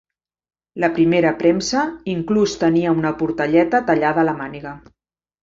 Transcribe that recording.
La primera premsa inclús tenia una portelleta tallada a la màniga.